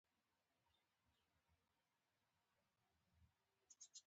ازادي راډیو د کلتور لپاره د مرستو پروګرامونه معرفي کړي.